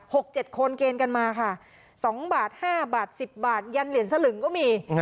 หกเจ็ดคนเกณฑ์กันมาค่ะสองบาทห้าบาทสิบบาทยันเหรียญสลึงก็มี